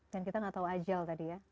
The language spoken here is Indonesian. dan kita gak tahu ajal tadi ya